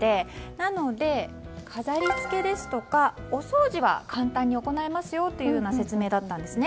なので、飾りつけですとかお掃除は簡単に行えますよという説明だったんですね。